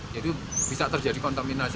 jadi bisa terjadi kontaminasi